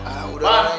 ah udah neng